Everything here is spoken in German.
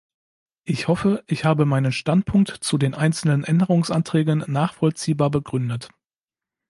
Ich hoffe, ich habe meinen Standpunkt zu den einzelnen Änderungsanträgen nachvollziehbar begründet.